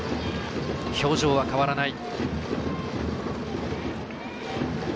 表情は変わらない。